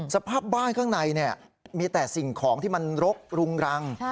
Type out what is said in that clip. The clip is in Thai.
สภาพบ้านข้างในมีแต่สิ่งของที่มันรกรุงรัง